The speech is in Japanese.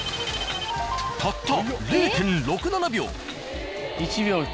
たった０．６７秒。